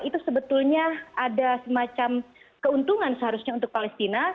itu sebetulnya ada semacam keuntungan seharusnya untuk palestina